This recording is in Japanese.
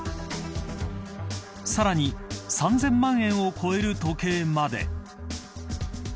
さらに３０００万円を超える時計まで。